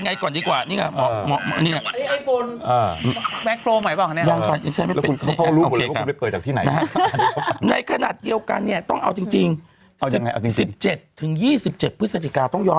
ไอโคลนไฟโครวไหมบอกนะครับคุณเข้าค่อยที่ไหนต้องเอาจริงติดเจ็บถึง๒๗พฤศจิกาต้องยอม